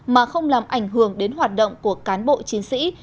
mà không làm ảnh hưởng đến hoạt động của cán bộ chiến sĩ